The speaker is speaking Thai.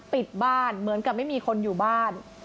ปิดบ้านเหมือนกับไม่มีคนอยู่บ้าน